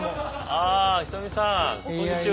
ああ人見さんこんにちは。